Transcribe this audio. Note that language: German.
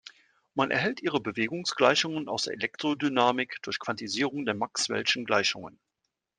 Man erhält ihre Bewegungsgleichungen aus der Elektrodynamik durch Quantisierung der maxwellschen Gleichungen.